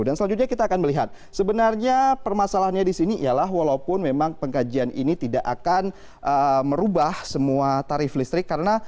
selanjutnya kita akan melihat sebenarnya permasalahannya di sini ialah walaupun memang pengkajian ini tidak akan merubah semua tarif listrik